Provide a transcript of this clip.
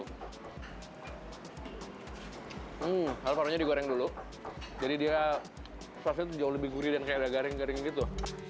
hmm hal farinya digoreng dulu jadi dia jauh lebih gurih dan kayak garing garing gitu